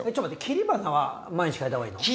切り花は毎日替えた方がいいの？